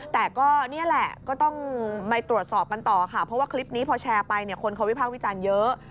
แต่ก็นี่แหละก็ต้องไปตรวจสอบกันต่อค่ะเพราะว่าคลิปนี้พอแชร์ไปเนี่ยคนเขาวิภาควิจารณ์เยอะ